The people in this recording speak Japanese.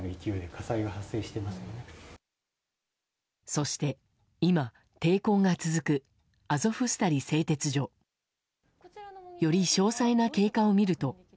そして、今、抵抗が続くアゾフスタリ製鉄所。より詳細な経過を見ると。